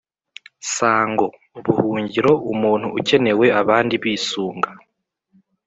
sango: buhungiro; umuntu ukenewe abandi bisunga